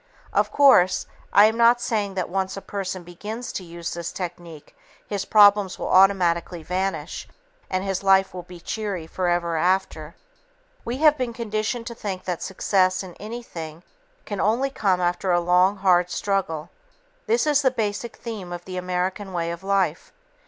Of course, I am not saying that once a person begins to use this technique his problems will automatically vanish and his life will be cheery forever after. We have been conditioned to think that success in anything can only come after a long, hard struggle. This is the basic theme of the American way of life.